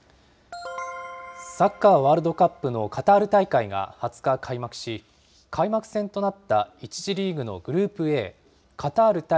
サッカーワールドカップのカタール大会が２０日、開幕し、開幕戦となった１次リーグのグループＡ、カタール対